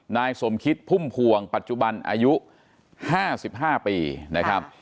นายสมคิดพุ่มพวงปัจจุบันอายุ๕๕ปีนะครับ